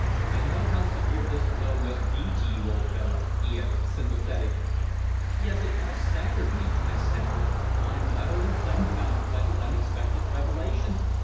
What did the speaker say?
I know how severe this blow must be to you, old fellow," he added, sympathetically. "Yes, it has staggered me," I stammered. "I'm utterly dumfounded by the unexpected revelation!"